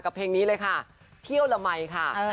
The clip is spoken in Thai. ท่านแน่นอนครับ